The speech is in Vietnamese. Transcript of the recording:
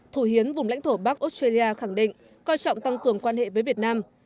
thủ hiến vùng lãnh thổ bắc australia khẳng định coi trọng tăng cường quan hệ với việt nam